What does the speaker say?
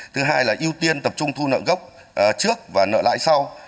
thứ hai là ưu tiên tập trung thu nợ gốc trước và nợ lại sau